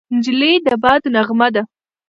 نجلۍ د باد نغمه ده.